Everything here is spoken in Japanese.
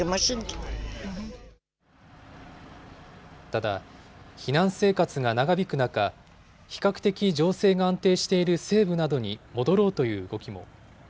ただ、避難生活が長引く中、比較的情勢が安定している西部などに戻ろうという動きも。